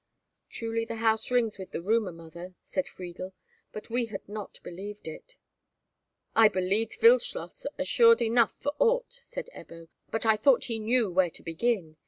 "Truly the house rings with the rumour, mother," said Friedel, "but we had not believed it." "I believed Wildschloss assured enough for aught," said Ebbo, "but I thought he knew where to begin.